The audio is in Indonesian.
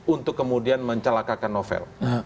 untuk kemudian mencelakakan novel